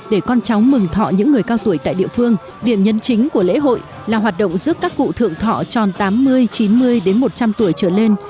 để con cháu mừng thọ những người cao tuổi tại địa phương điểm nhấn chính của lễ hội là hoạt động giúp các cụ thượng thọ tròn tám mươi chín mươi một trăm linh tuổi trở lên